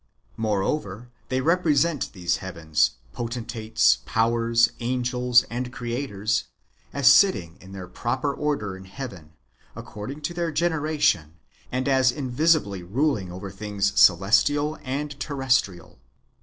Moreover, they represent these heavens, poten tates, powers, angels, and creators, as sitting in their proper order in heaven, according to their generation, and as in visibly ruling over things celestial and terrestrial.